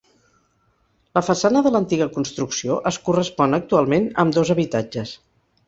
La façana de l'antiga construcció es correspon actualment amb dos habitatges.